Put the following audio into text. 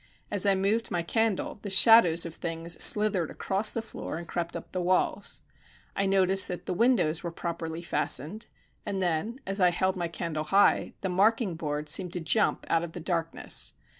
As I moved my candle the shadows of things slithered across the floor and crept up the walls. I noticed that the windows were properly fastened, and then, as I held my candle high, the marking board seemed to jump out of the darkness.